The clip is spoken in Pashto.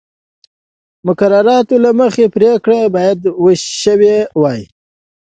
مقرراتو له مخې پرېکړه باید شوې وای